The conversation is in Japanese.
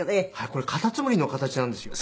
これカタツムリの形なんですよ。